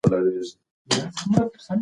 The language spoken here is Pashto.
د لمر وړانګې سهار وختي پر غرو راښکاره شوې.